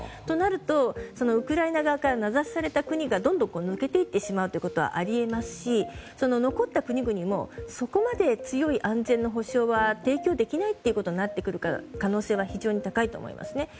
となるとウクライナ側から名指しされた国がどんどん抜けていってしまうということがあり得ますし、残った国々もそこまで強い安全の保障は提供できないという可能性が非常に高いと思いますね。